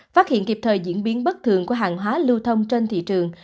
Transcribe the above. phát hiện kịp thời diễn biến bất thường của hàng hóa lưu thông trên thị trường